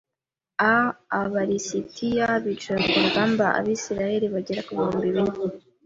a Aba lisitiya bicira ku rugamba Abisirayeli bagera ku bihumbi bine